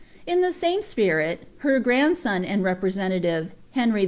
In tlie same spirit, her grandson ■ rmrcKntative, Henry H.